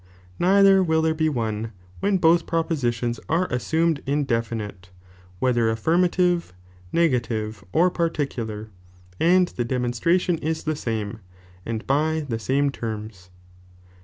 Neither will there be one, when both propositions are assumed indefinite, whetheraffirmative, negative, orparticular, and the ^. demonstration is the same and by the same tcrms.